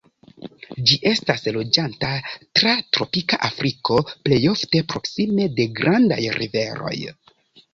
Ĝi estas loĝanta tra tropika Afriko, plej ofte proksime de grandaj riveroj.